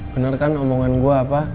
bener kan omongan gua pak